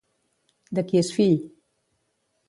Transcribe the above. De qui és fill?